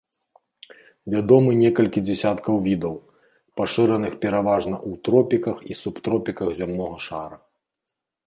Вядомы некалькі дзясяткаў відаў, пашыраных пераважна ў тропіках і субтропіках зямнога шара.